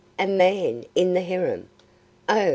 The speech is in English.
"A man in the harem! Oh!